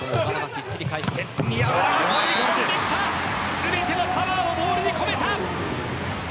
全てのパワーをボールに込めた。